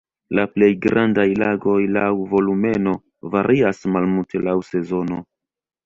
La plej grandaj lagoj laŭ volumeno varias malmulte laŭ sezono.